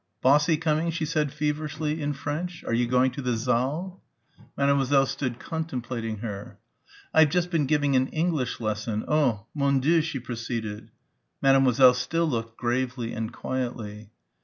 "Bossy coming?" she said feverishly in French; "are you going to the saal?" Mademoiselle stood contemplating her. "I've just been giving an English lesson, oh, Mon Dieu," she proceeded. Mademoiselle still looked gravely and quietly.